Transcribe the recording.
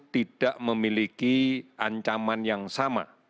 tidak memiliki ancaman yang sama